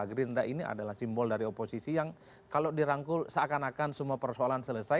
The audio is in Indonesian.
gerindra ini adalah simbol dari oposisi yang kalau dirangkul seakan akan semua persoalan selesai